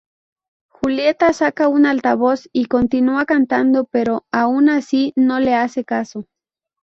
Julieta saca un altavoz y continúa cantando pero aun así no le hace caso.